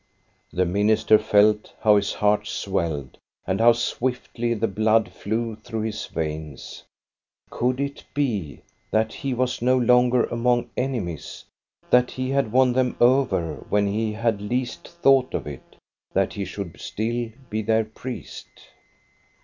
The minister felt how his heart swelled and how swiftly the blood flew through his veihs. Could it be that he was no longer among enemies; that he INTRODUCTION 7 had won them over when he had least thought of it ; that he should still be their priest?